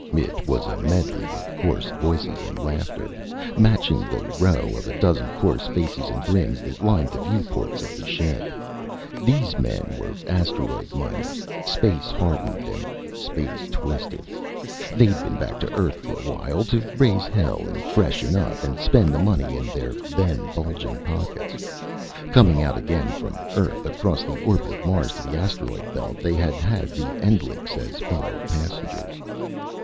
It was a medley of coarse voices and laughter, matching the row of a dozen coarse faces and grins that lined the view ports of the ship. These men were asteroid miners, space hardened and space twisted. They'd been back to Earth for a while, to raise hell and freshen up, and spend the money in their then bulging pockets. Coming out again from Earth, across the orbit of Mars to the asteroid belt, they had had the Endlichs as fellow passengers.